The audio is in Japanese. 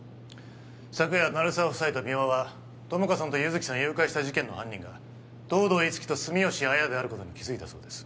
昨夜鳴沢夫妻と三輪は友果さんと優月さん誘拐した事件の犯人が東堂樹生と住吉亜矢であることに気づいたそうです